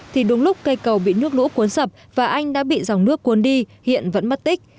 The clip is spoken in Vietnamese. thì đúng lúc cây cầu bị nước lũ cuốn sập và anh đã bị dòng nước cuốn đi hiện vẫn mất tích